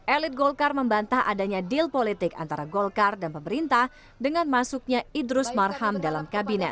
elit golkar membantah adanya deal politik antara golkar dan pemerintah dengan masuknya idrus marham dalam kabinet